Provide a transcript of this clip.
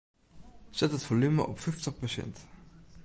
Set it folume op fyftich persint.